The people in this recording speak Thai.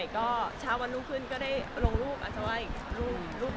ก็ช่าววันลุกขึ้นก็ได้ลงรูปอาจจะว่าอีกรูป๑